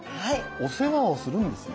お世話をするんですよ。